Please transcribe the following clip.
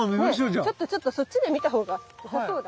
ちょっとちょっとそっちで見た方がよさそうだ。